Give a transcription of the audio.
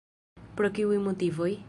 Pro kiuj motivoj?